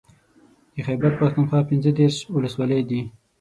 د خېبر پښتونخوا پنځه دېرش ولسوالۍ دي